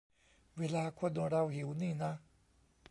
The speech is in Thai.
เวลาคนเราหิวนี่นะ